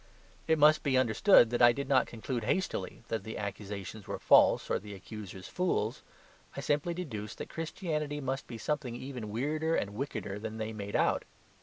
It must be understood that I did not conclude hastily that the accusations were false or the accusers fools. I simply deduced that Christianity must be something even weirder and wickeder than they made out.